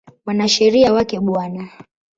Mwanasheria wake Bw.